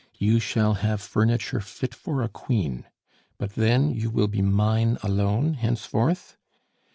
You shall have furniture fit for a queen. But then you will be mine alone henceforth?"